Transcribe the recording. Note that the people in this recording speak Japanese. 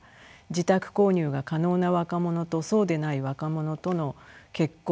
自宅購入が可能な若者とそうでない若者との結婚・出産格差